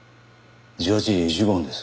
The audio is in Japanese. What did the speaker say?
１８時１５分です。